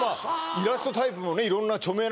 イラストタイプもね